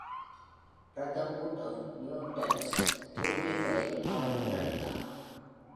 Brotherhood of Mutants தோற்றுவிப்பதையும் அவன் முன்னெடுத்தான்.